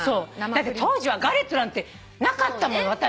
だって当時はガレットなんてなかったもん私たち。